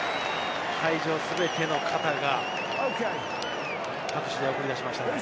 会場全ての方が拍手で送り出しましたね。